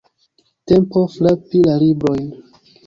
Tempo frapi la librojn!